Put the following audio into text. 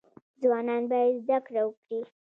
ځوانان باید زده کړه وکړي